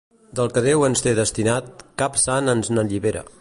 Del que Déu ens té destinat, cap sant ens n'allibera.